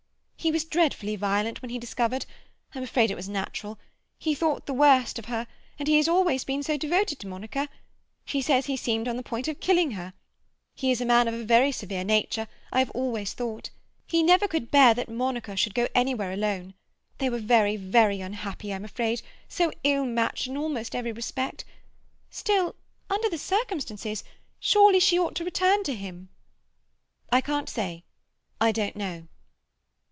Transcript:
"He was dreadfully violent when he discovered—I'm afraid it was natural—he thought the worst of her, and he has always been so devoted to Monica. She says he seemed on the point of killing her. He is a man of very severe nature, I have always thought. He never could bear that Monica should go anywhere alone. They were very, very unhappy, I'm afraid—so ill matched in almost every respect. Still, under the circumstances—surely she ought to return to him?" "I can't say. I don't know."